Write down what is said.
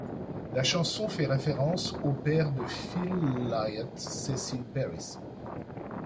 La chanson fait référence au père de Phil Lynott, Cecil Parris.